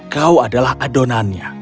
kau adalah adonannya